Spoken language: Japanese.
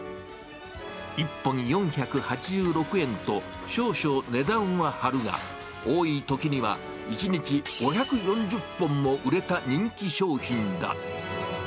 １本４８６円と、少々値段は張るが、多いときには１日５４０本も売れた人気商品だ。